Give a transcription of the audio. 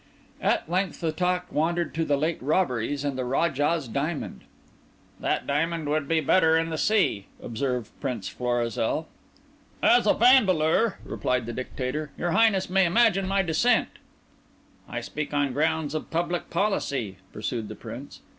At length the talk wandered on to the late robberies and the Rajah's Diamond. "That diamond would be better in the sea," observed Prince Florizel. "As a Vandeleur," replied the Dictator, "your Highness may imagine my dissent." "I speak on grounds of public policy," pursued the Prince.